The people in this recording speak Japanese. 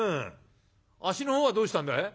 「足のほうはどうしたんだい？」。